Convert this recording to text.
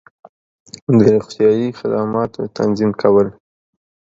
د روغتیایی خدماتو تنظیم کول